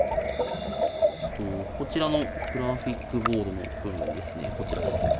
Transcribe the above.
こちらのグラフィックボードの部分ですね、こちらです。